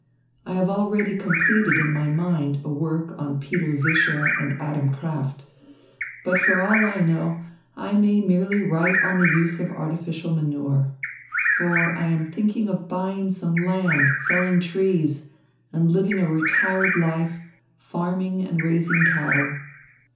I have already completed in my mind a work on Peter Vischer and Adam Krafft. But for all I know, I may merely write on the use of artificial manure. For I am thinking of buying some land, felling trees, and living a retired life, farming and raising cattle.